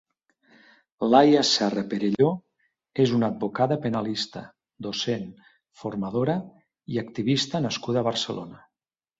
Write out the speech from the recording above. Laia Serra Perelló és una advocada penalista, docent, formadora i activista nascuda a Barcelona.